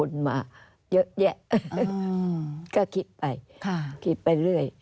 อันดับ๖๓๕จัดใช้วิจิตร